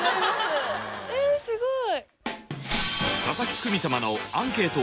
えすごい！